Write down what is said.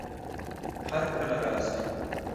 هرکله راشئ!